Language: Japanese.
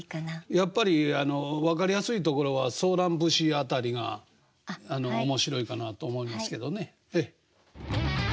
やっぱり分かりやすいところは「ソーラン節」辺りが面白いかなと思いますけどね。